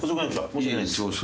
申し訳ないです。